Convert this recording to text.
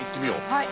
はい。